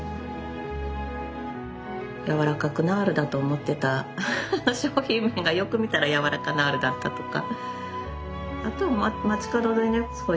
ヤワラカクナールだと思ってた商品名がよく見たらヤワラカナールだったとか。